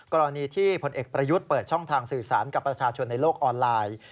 กรณีที่พลเอกประยุทธ์เปิดช่องทางสื่อสารกับประชาชนในโลกออนไลน์